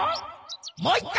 もう一回！